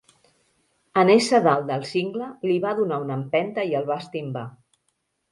En ésser dalt del cingle, li va donar una empenta i el va estimbar.